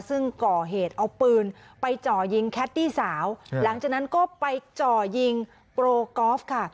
ซึ่งก่อเหตุเอาปืนไปจ่อยิงแคตตี้สาวหลังจากนั้นก็ไปจ่อยิงโปรกอล์ฟค่ะ